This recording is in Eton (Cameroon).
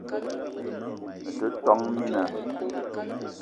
Me te , tόn mina